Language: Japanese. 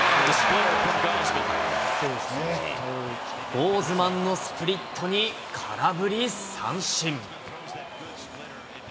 ゴーズマンのスプリットに空振り三振。